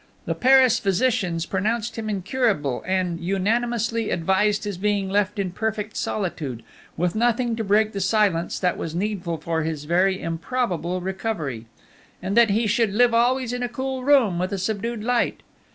The Paris physicians pronounced him incurable, and unanimously advised his being left in perfect solitude, with nothing to break the silence that was needful for his very improbable recovery, and that he should live always in a cool room with a subdued light.